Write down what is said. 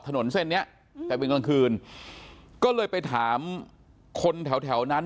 ถนนเส้นเนี้ยแต่เป็นกลางคืนก็เลยไปถามคนแถวแถวนั้น